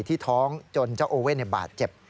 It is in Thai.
ที่ท้องจนเจ้าโอเว่นบาดเจ็บ